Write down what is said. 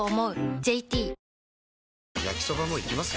ＪＴ焼きソバもいきます？